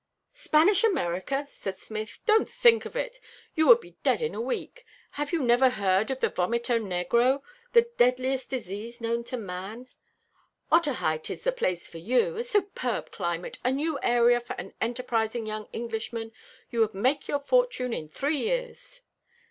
"Spanish America!" said Smith; "don't think of it. You would be dead in a week. Have you never heard of the vomito negro, the deadliest disease known to man? Otaheite is the place for you! A superb climate, a new area for an enterprising young Englishman! You would make your fortune in three years."